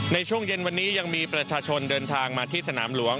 ในช่วงเย็นวันนี้ยังมีประชาชนเดินทางมาที่สนามหลวง